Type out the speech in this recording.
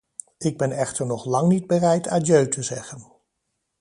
Ik ben echter nog lang niet bereid adieu te zeggen.